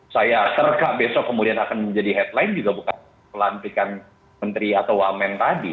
saya serka besok kemudian akan menjadi headline juga bukan pelantikan menteri atau wamen tadi